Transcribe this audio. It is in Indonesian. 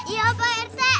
ya pak rt